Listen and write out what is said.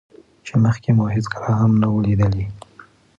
چې مخکې مو هېڅکله هم نه وو ليدلى.